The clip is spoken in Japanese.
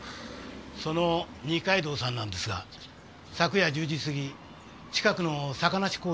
その二階堂さんなんですが昨夜１０時過ぎ近くの坂梨公園で殺害されました。